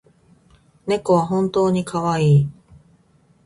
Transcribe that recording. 猫は本当にかわいい